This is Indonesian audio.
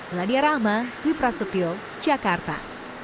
meladia rama di prasetyo jakarta